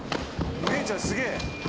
おねえちゃんすげえ！